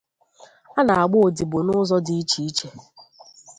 Ana agba-odibo n’ụzọ dị iche iche